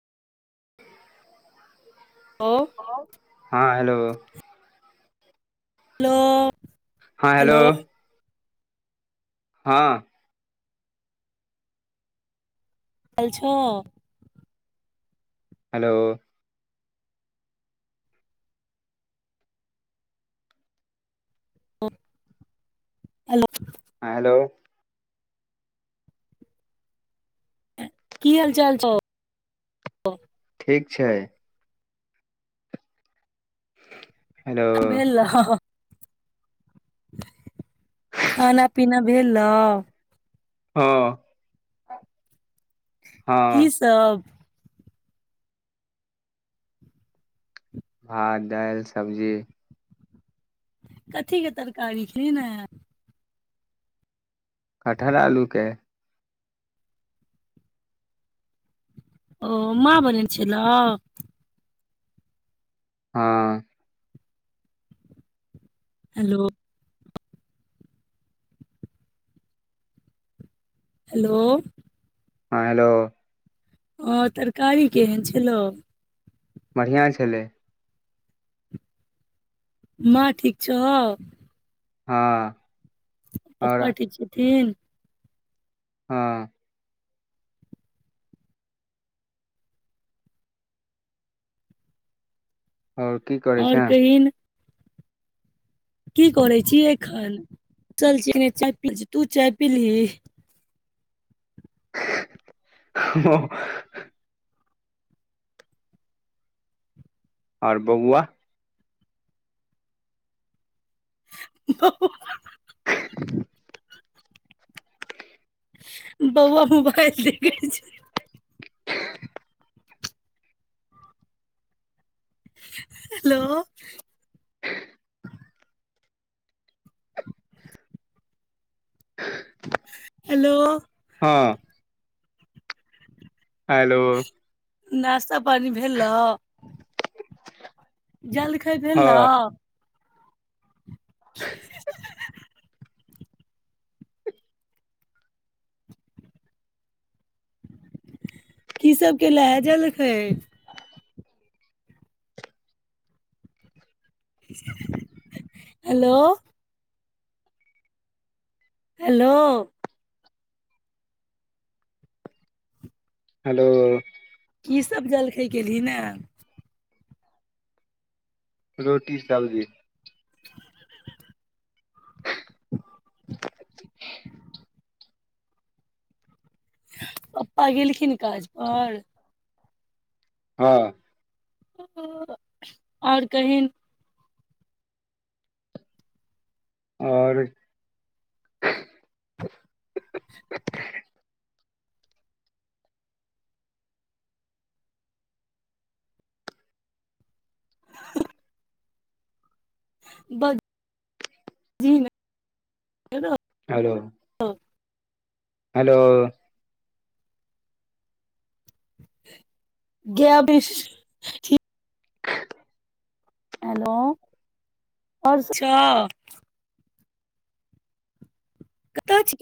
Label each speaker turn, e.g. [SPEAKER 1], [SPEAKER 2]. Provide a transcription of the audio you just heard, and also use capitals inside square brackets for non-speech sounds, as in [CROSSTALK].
[SPEAKER 1] [INAUDIBLE]
[SPEAKER 2] ओव
[SPEAKER 1] [INAUDIBLE] हँ hello
[SPEAKER 2] hello
[SPEAKER 1] हा हेलो हँ
[SPEAKER 2] काइल छ
[SPEAKER 1] हेलो
[SPEAKER 2] ह हेलो
[SPEAKER 1] ह हेलो
[SPEAKER 2] की चाल छौऽ
[SPEAKER 1] ठीक छै हेलो
[SPEAKER 2] आब भेलौ खाना पीना भेलौ
[SPEAKER 1] हँ हँ
[SPEAKER 2] की सब
[SPEAKER 1] भात दालि सब्जी
[SPEAKER 2] कथी के तरकारी खेलहिन हें
[SPEAKER 1] कटहर आलूके
[SPEAKER 2] ओ माँ बनेन छेलौं
[SPEAKER 1] हँ
[SPEAKER 2] हेलो हेलो
[SPEAKER 1] हँ हेलो
[SPEAKER 2] हँ तरकारी केहन छेलौ
[SPEAKER 1] बढ़ियाँ छलै
[SPEAKER 2] माँ ठीक छौ
[SPEAKER 1] हँ आओर
[SPEAKER 2] पप्पा ठीक छथिन
[SPEAKER 1] हँ आओर की करै
[SPEAKER 2] और
[SPEAKER 1] छें।
[SPEAKER 2] कहिन की करै छी एखन चल संगे चाय पियै छी तू चाय पीलही।
[SPEAKER 1] हँ हँ आओर बौआ
[SPEAKER 2] [INAUDIBLE]
[SPEAKER 1] [INAUDIBLE]
[SPEAKER 2] बौआ मोबाइल देखै छै हेलो
[SPEAKER 1] [INAUDIBLE]
[SPEAKER 2] हेलो
[SPEAKER 1] हँ हेलो
[SPEAKER 2] नाश्ता पानी भेलौ जलखै
[SPEAKER 1] हँ
[SPEAKER 2] भेलौ। [INAUDIBLE] की सब केले हे जलखै हेलो हेलो
[SPEAKER 1] हेलो
[SPEAKER 2] की सब जलखै केलहिन ए
[SPEAKER 1] रोटी सब्जी [INAUDIBLE]
[SPEAKER 2] पप्पा गेलखिन काज पर
[SPEAKER 1] हँ
[SPEAKER 2] आओर कहिन।
[SPEAKER 1] आओर
[SPEAKER 2] [UNINTELLIGIBLE] [INAUDIBLE] बजही नै
[SPEAKER 1] हेलो
[SPEAKER 2] रौ
[SPEAKER 1] हेलो
[SPEAKER 2] [INAUDIBLE] हेलो [INAUDIBLE] कतऽ छी